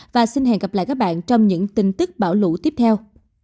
và xin hẹn gặp lại các bạn trong những tin tức bão lũ tiếp theo